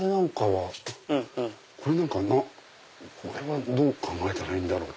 これはどう考えたらいいんだろう？